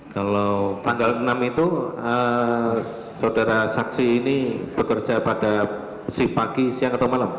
kalau tanggal enam itu saudara saksi ini bekerja pada si pagi siang atau malam